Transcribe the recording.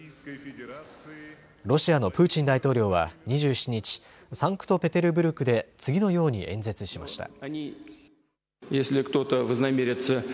ロシアのプーチン大統領は２７日、サンクトペテルブルクで次のように演説しました。